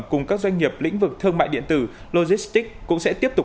cùng các doanh nghiệp lĩnh vực thương mại điện tử logistics cũng sẽ tiếp tục